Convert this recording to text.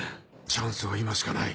チャンスは今しかない。